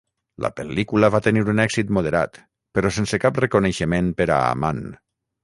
La pel·lícula va tenir un èxit moderat però sense cap reconeixement per a Aman.